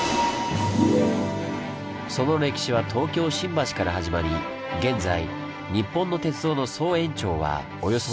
その歴史は東京・新橋から始まり現在日本の鉄道の総延長はおよそ２７，０００ｋｍ。